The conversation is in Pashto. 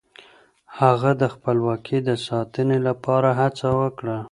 هغه د خپلواکۍ د ساتنې لپاره هڅه وکړه.